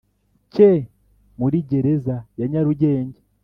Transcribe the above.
Cye muri gereza ya nyarugenge